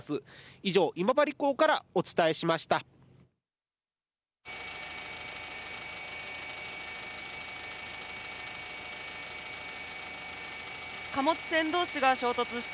以上、今治港からお伝えしました。